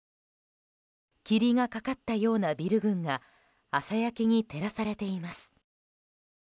霧がかかったようなビル群が朝焼けに照らされています。